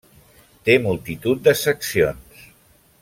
Té multitud de seccions.